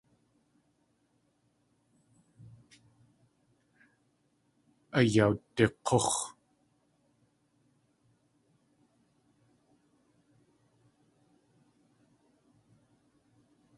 Ayawdik̲úx̲.